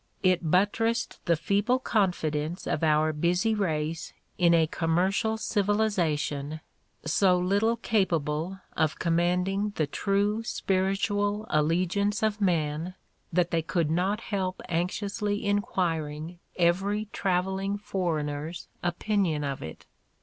It buttressed the feeble confidence of our busy race in a commercial civilization so little capable of commanding the true spiritual allegiance of men that they could not help anxiously enquiring every traveling foreigner's opinion of it.